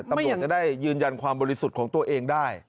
ตำรวจจะได้ยืนยันความบริสุทธิ์ของตัวเองได้